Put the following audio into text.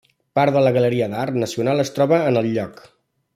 Part de la Galeria d'Art Nacional es troba en el lloc.